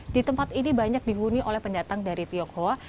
di tempat ini banyak dihuni oleh pendatang dari tionghoa